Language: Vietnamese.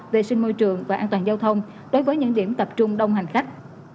vệ sinh môi trường và an toàn giao thông đối với những điểm tập trung đông hành khách